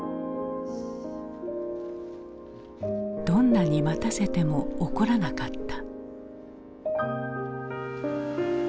どんなに待たせても怒らなかった。